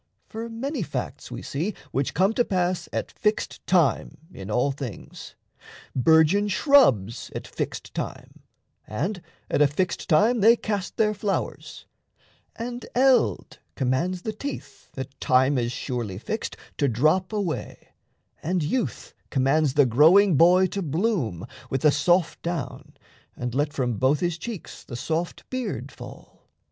For many facts we see which come to pass At fixed time in all things: burgeon shrubs At fixed time, and at a fixed time They cast their flowers; and Eld commands the teeth, At time as surely fixed, to drop away, And Youth commands the growing boy to bloom With the soft down and let from both his cheeks The soft beard fall.